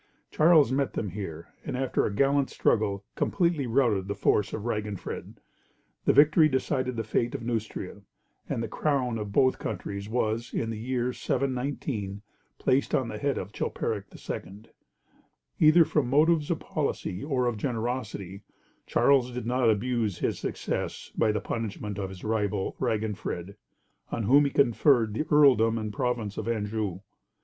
Charles met them here, and after a gallant struggle completely routed the force of Raginfred. This victory decided the fate of Neustria, and the crown of both countries was, in the year 719, placed on the head of Chilperic II. Either from motives of policy or of generosity, Charles did not abuse his success by the punishment of his rival, Raginfred, on whom he conferred the earldom and province of Anjou.